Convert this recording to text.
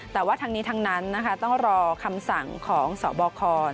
แต่ว่าทั้งนี้ทั้งนั้นนะคะต้องรอคำสั่งของสบค